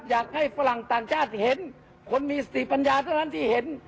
ฝรั่งต่างชาติเห็นคนมีสติปัญญาเท่านั้นที่เห็น